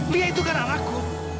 lia itu gara gara aku